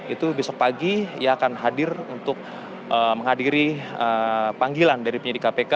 itu besok pagi ia akan hadir untuk menghadiri panggilan dari penyidik kpk